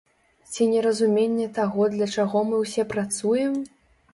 Ці неразуменне таго для чаго мы ўсе працуем?